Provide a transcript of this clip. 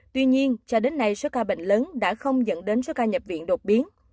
tuy nhiên cho đến nay số ca bệnh lớn đã không dẫn đến số ca nhập viện đột biến